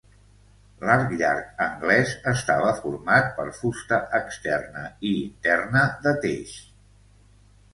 L'arc llarg anglès estava format per fusta externa i interna de teix.